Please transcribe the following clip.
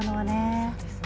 そうですね。